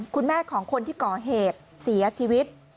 คุณแม่ของคนที่ก่อเหตุเสียชีวิต